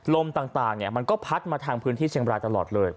ลมต่างมันก็พัดมาทางพื้นที่เชียงบรายตลอดเลย